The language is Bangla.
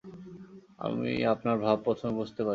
আমি আপনার ভাব প্রথমে বুঝতে পারিনি।